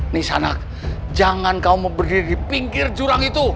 nisanak jangan kamu berdiri di pinggir jurang itu